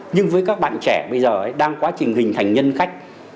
nhưng với các bạn trẻ bây giờ đang quá trình hình thành nhân khách